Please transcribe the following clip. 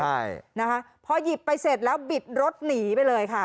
ใช่นะคะพอหยิบไปเสร็จแล้วบิดรถหนีไปเลยค่ะ